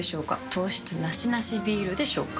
糖質ナシナシビールでしょうか？